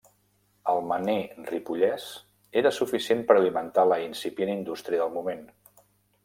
El mener ripollès era suficient per alimentar la incipient indústria del moment.